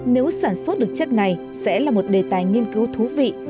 nếu sản xuất được chất này sẽ là một đề tài nghiên cứu thú vị